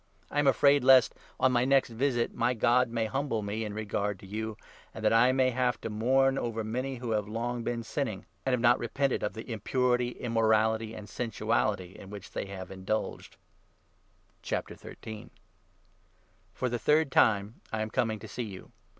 I am afraid lest, on my next visit, my God may 21 humble me in regard to you, and that I may have to mourn over many who have long been sinning, and have not repented of the impurity, immorality, and sensuality, in which they have indulged. For the third time I am coming to see you.